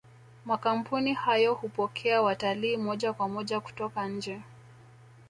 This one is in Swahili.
makampuni hayo hupokea watalii moja kwa moja kutoka nje